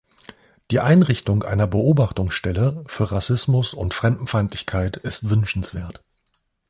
Die Einrichtung einer Beobachtungsstelle für Rassismus und Fremdenfeindlichkeit ist wünschenswert.